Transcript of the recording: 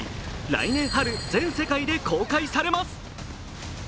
来年春、全世界で公開されます。